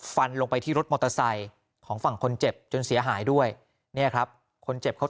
ลงไปที่รถมอเตอร์ไซค์ของฝั่งคนเจ็บจนเสียหายด้วยเนี่ยครับคนเจ็บเขา